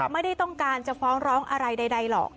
ไม่ได้ต้องการจะฟ้องร้องอะไรใดหรอก